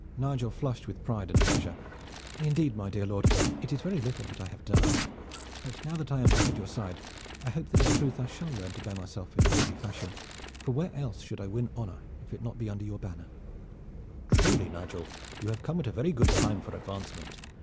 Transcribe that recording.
Nigel flushed with pride and pleasure. "Indeed, my dear lord, it is very little that I have done. But now that I am back at your side I hope that in truth I shall learn to bear myself in worthy fashion, for where else should I win honor if it be not under your banner." "Truly, Nigel, you have come at a very good time for advancement.